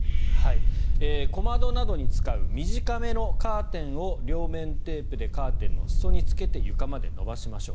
小窓などに使う短めのカーテンを両面テープでカーテンの裾につけて床まで伸ばしましょう。